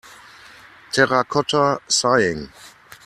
Terracotta Sighing.